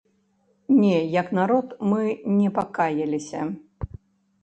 Не, як народ мы не пакаяліся.